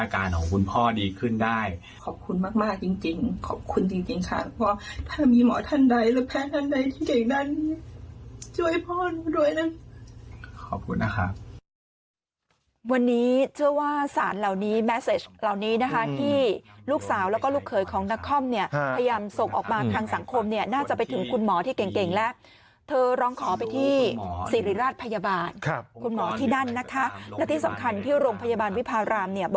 ขอบคุณมากจริงขอบคุณจริงค่ะเพราะว่าถ้ามีหมอท่านใดและแพ้ท่านใดที่เก่งด้านนี้ช่วยพ่อหนูด้วยนะครับขอบคุณนะครับ